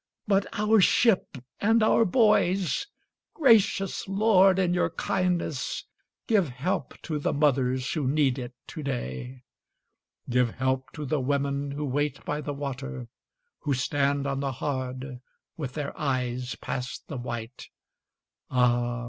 But our ship and our boys! Gracious Lord, in your kindness, Give help to the mothers who need it to day! Give help to the women who wait by the water, Who stand on the Hard with their eyes past the Wight. Ah!